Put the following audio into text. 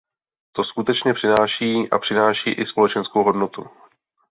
To skutečně přináší, a přináší i společenskou hodnotu.